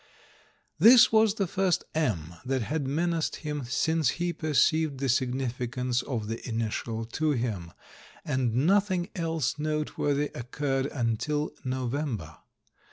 This was the first M that had menaced him since he perceived the significance of the initial to him, and nothing else noteworthy occurred until November.